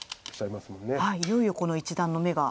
いよいよこの一団の眼が。